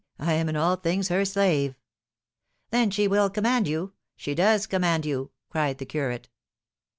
I am in all things her slave." "Then she will command you she does command you," cried the curate.